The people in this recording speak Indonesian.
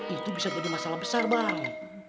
itu bisa jadi masalah besar banget